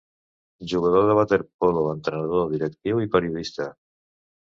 Jugador de waterpolo, entrenador, directiu i periodista.